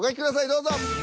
どうぞ。